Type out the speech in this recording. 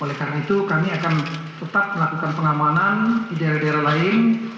oleh karena itu kami akan tetap melakukan pengamanan di daerah daerah lain